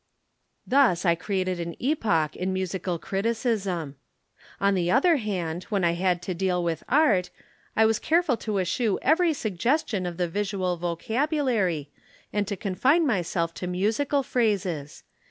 Thus I created an epoch in musical criticism. On the other hand, when I had to deal with art, I was careful to eschew every suggestion of the visual vocabulary and to confine myself to musical phrases.